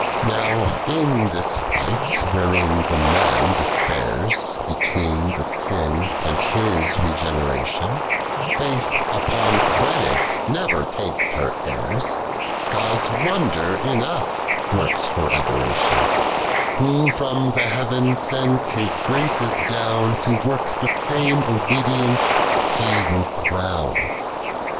Now in this fight, wherein the maD deapuira Between the sin and his rcgreneration ; Faith upon credit ncrer takes her heirs, Goil's wonder in ua works her atlomtion : Who from the heaven sends His graces dn' To work the same obedienee He will crow 105.